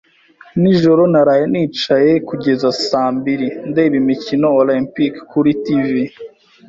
Nijoro naraye nicaye kugeza saa mbiri ndeba imikino Olempike kuri TV.